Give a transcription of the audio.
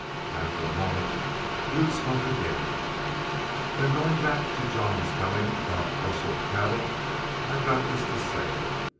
After a moment Blue spoke again. "Then, goin' back to Jean's tellin' aboot trackin' rustled Cattle, I've got this to say.